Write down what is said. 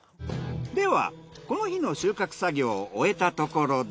ではこの日の収穫作業を終えたところで。